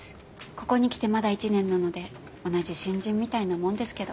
ここに来てまだ１年なので同じ新人みたいなもんですけど。